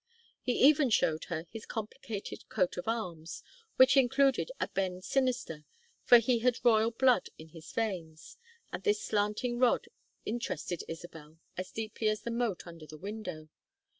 He even showed her his complicated coat of arms, which included a bend sinister, for he had royal blood in his veins; and this slanting rod interested Isabel as deeply as the moat under the window.